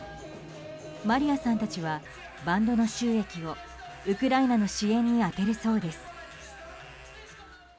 マリヤさんたちはバンドの収益をウクライナの支援に充てるそうです。